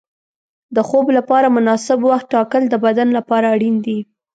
د خوب لپاره مناسب وخت ټاکل د بدن لپاره اړین دي.